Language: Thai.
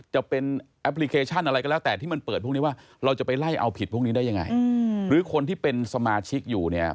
จะเป็นแอปพลิเคชันอะไรก็แล้วแต่ที่มันเปิดพวกนี้ว่าเราจะไปไล่เอาผิดพวกนี้ได้ยังไงหรือคนที่เป็นสมาชิกอยู่เนี่ย